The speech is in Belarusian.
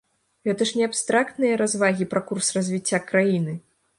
Гэта ж не абстрактныя развагі пра курс развіцця краіны!